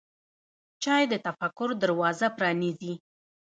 چای د تفکر دروازه پرانیزي.